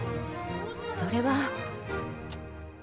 それは。